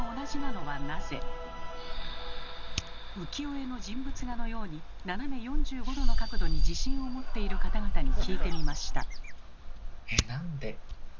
浮世絵の人物画のように斜め４５度の角度に自信を持っている方々に聞いてみました。